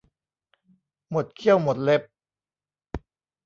หมดเขี้ยวหมดเล็บ